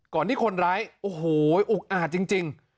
ที่คนร้ายโอ้โหอุกอาจจริง